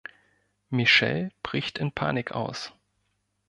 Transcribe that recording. Michelle bricht in Panik aus.